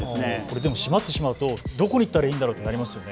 でも閉まってしまうとどこに行ったらいいんだろうとなりますよね。